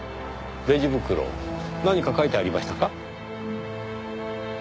レジ袋何か書いてありましたか？